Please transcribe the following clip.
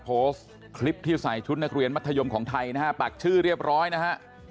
โคลสต์คลิปที่ใส่ชุดมัธยมในปากชื่อเรียบร้อยนะฮะ